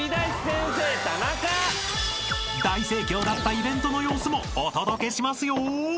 ［大盛況だったイベントの様子もお届けしますよ！］